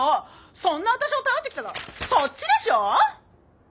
そんな私を頼ってきたのはそっちでしょ！